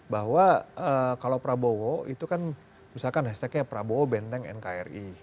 bahwa kalau prabowo itu kan misalkan hashtagnya prabowo benteng nkri